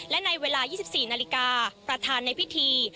และในเวลา๒๔นาฬิกาประธานในพิธี